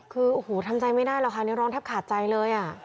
คือโอ้โหทำใจไม่ได้หรอกค่ะนี่ร้องแทบขาดใจเลย